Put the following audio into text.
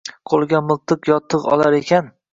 Qoʻliga miltiq yo tigʻ olar ekan